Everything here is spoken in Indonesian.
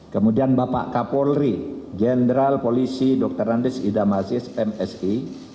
kemudian bapak kapolri jenderal polisi dr andes idam aziz msi